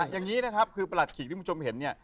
อย่างนี้นะครับคือประหลัดขีกที่คุณผู้ชมเห็นเนี่ย